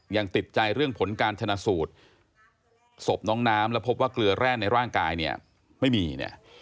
ยังติดใจเรื่องผลการชนะสูตรศพน้องน้ำแล้วพบว่าเกลือแร่ในร่างกายเนี่ยไม่มีเนี่ย